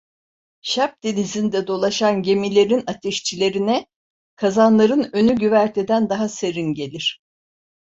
Şap Denizi'nde dolaşan gemilerin ateşçilerine kazanların önü güverteden daha serin gelir.